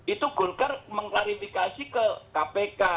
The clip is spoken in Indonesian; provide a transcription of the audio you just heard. itu golekar menglari indikasi ke kpk